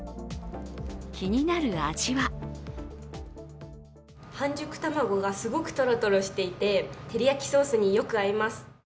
気になる味は半熟卵がすごくとろとろしていててりやきソースによく合います。